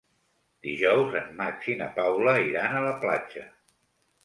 Dijous en Max i na Paula iran a la platja.